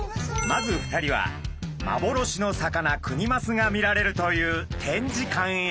まず２人は幻の魚クニマスが見られるという展示館へ。